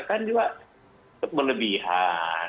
kan juga kemelebihan